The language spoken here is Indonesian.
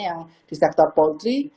yang di sektor poultry